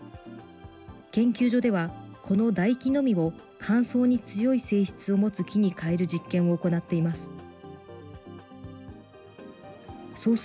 研究所では、この台木のみを乾燥に強い性質を持つ木に変える実験を行っています。